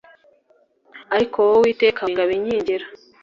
Ariko wowe uwiteka uringabo inkingira